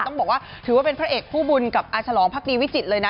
ต้องบอกว่าถือว่าเป็นพระเอกคู่บุญกับอาฉลองพักดีวิจิตรเลยนะ